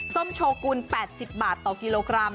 ส้มโชกุล๘๐บาทต่อกิโลกรัม